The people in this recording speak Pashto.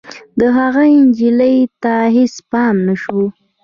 د هغه نجلۍ ته هېڅ پام نه شو.